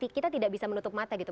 kita tidak bisa menutup mata gitu